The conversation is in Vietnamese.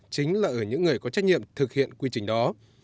chính là ở những người có trách nhiệm thực hiện quy trình đó